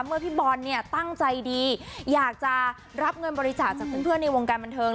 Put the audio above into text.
พี่บอลเนี่ยตั้งใจดีอยากจะรับเงินบริจาคจากเพื่อนในวงการบันเทิง